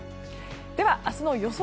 では、明日の予想